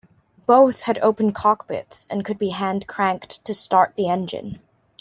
Both had open cockpits and could be hand cranked to start the engine.